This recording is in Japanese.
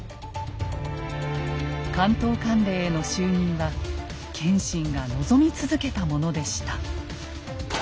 「関東管領」への就任は謙信が望み続けたものでした。